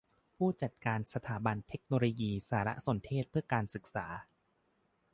ผู้จัดการสถาบันเทคโนโลยีสารสนเทศเพื่อการศึกษา